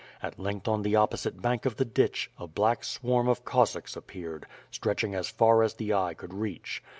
At length on the opposite bank of the ditch, a black swarm of Cossacks appeared, stretching as far as the eye could reach.